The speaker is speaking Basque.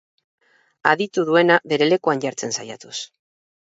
Aditu duena bere lekuan jartzen saiatuz.